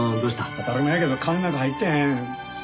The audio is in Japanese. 当たり前やけど金なんか入ってへん。